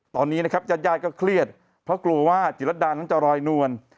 ตอนนี้ญาติญาติก็เครียดเพรากลัวว่าจิรดานจะรอยนวล